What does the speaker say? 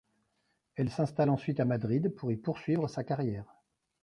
Elle s'installe ensuite à Madrid pour y poursuivre sa carrière.